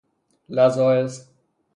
لذائذ